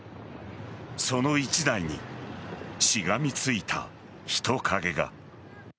その１台にしがみついた人影が。